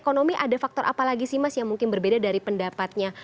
tapi kita akan teruskan di step yang berikut ya